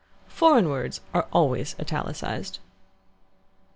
Foreign words are always italicized.